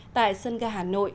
tại sân ga hà nội